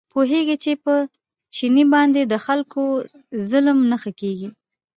پوهېږي چې په چیني باندې د خلکو ظلم نه ښه کېږي.